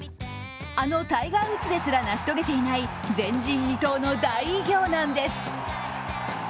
あのタイガー・ウッズですら成し遂げていない前人未到の大偉業なんです。